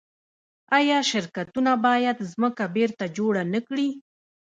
آیا شرکتونه باید ځمکه بیرته جوړه نکړي؟